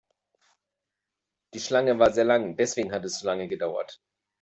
Die Schlange war sehr lang, deswegen hat es so lange gedauert.